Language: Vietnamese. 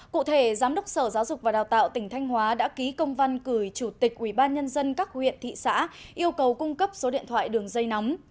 cụ thể giám đốc sở giáo dục và đào tạo tỉnh thanh hóa đã ký công văn gửi chủ tịch ubnd các huyện thị xã yêu cầu cung cấp số điện thoại đường dây nóng